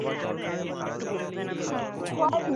ময়মনসিংহে আসার নীলুর কোনো ইচ্ছা ছিল না।